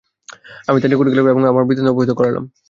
আমি তার নিকট গেলাম এবং আমার বৃত্তান্ত অবহিত করালাম।